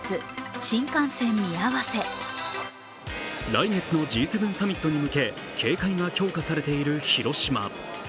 来月のＧ７サミットに向け警戒が強化されている広島。